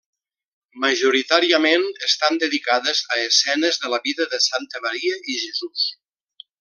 Majoritàriament estan dedicades a escenes de la vida de Santa Maria i Jesús.